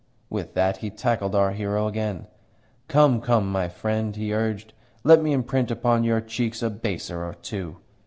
'" With that he tackled our hero again, "Come, come, my friend!" he urged. "Let me imprint upon your cheeks a baiser or two.